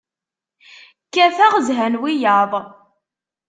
Kkateɣ, zhan wiyaḍ.